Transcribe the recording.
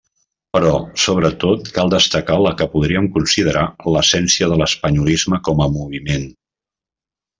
Però, sobretot, cal destacar la que podríem considerar l'essència de l'espanyolisme com a moviment.